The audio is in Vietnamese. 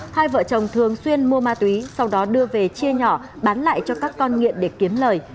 hai vợ chồng thường xuyên mua ma túy sau đó đưa về chia nhỏ bán lại cho các con nghiện để kiếm lời